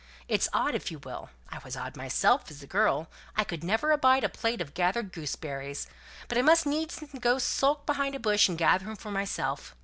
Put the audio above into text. It's odd if you will. I was odd myself as a girl; I never could abide a plate of gathered gooseberries, but I must needs go and skulk behind a bush and gather 'em for myself.